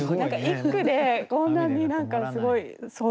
一句でこんなに何かすごい想像が。